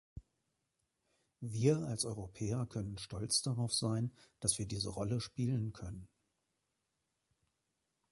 Wir als Europäer können stolz darauf sein, dass wir diese Rolle spielen können.